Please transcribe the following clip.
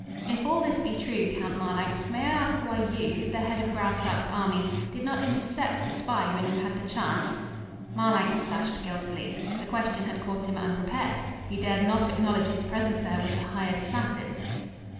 "If all this be true, Count Marlanx, may I ask why you, the head of Graustark's army, did not intercept the spy when you had the chance?" Marlanx flushed guiltily. The question had caught him unprepared. He dared not acknowledge his presence there with the hired assassins.